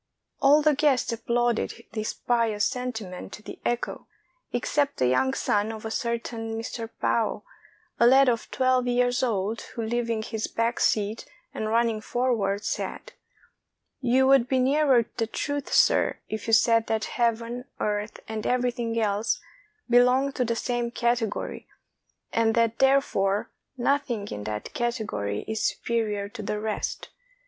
All the guests applauded this pious sentiment to the echo, except the young son of a certain Mr. Pao, a lad of twelve years old, who, leaving his back seat and running forward, said :— "You would be nearer the truth, sir, if you said that Heaven, Earth, and everything else belonged to the same category, and that, therefore, nothing in that cate gory is superior to the rest.